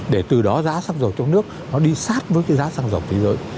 để từ đó giá xăng dầu trong nước nó đi sát với cái giá xăng dầu thế giới